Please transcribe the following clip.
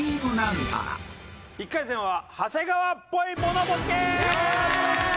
１回戦は長谷川っぽいモノボケ。